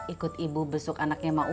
ikut ibu besuk anaknya mau